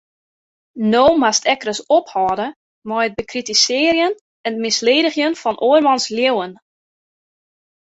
No moatst ek ris ophâlde mei it bekritisearjen en misledigjen fan oarmans leauwen.